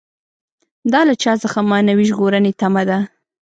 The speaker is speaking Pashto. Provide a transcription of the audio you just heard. دا له چا څخه معنوي ژغورنې تمه ده.